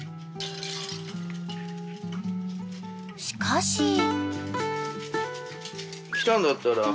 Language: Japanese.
［しかし］